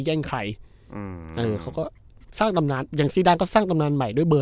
แย่งใครอืมเออเขาก็สร้างตำนานอย่างซีดานก็สร้างตำนานใหม่ด้วยเบอร์